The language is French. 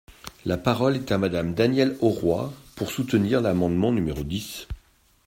La parole est à Madame Danielle Auroi, pour soutenir l’amendement numéro dix.